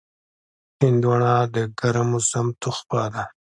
هندوانه د ګرم موسم تحفه ده.